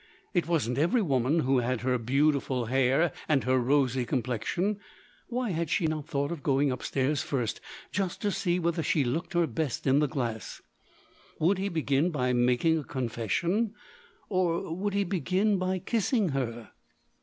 It wasn't every woman who had her beautiful hair, and her rosy complexion. Why had she not thought of going upstairs first, just to see whether she looked her best in the glass? Would he begin by making a confession? or would he begin by kissing her?